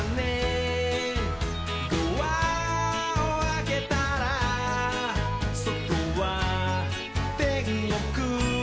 「ドアをあけたらそとはてんごく」